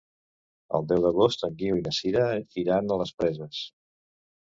El deu d'agost en Guiu i na Sira iran a les Preses.